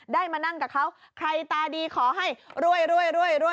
ได้มานั่งกับเขาใครตาดีขอให้รวยรวยรวย